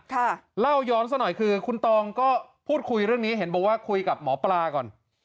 เล่าย้อนซะหน่อยคือคุณตองก็พูดคุยเรื่องนี้เห็นบอกว่าคุยกับหมอปลาก่อน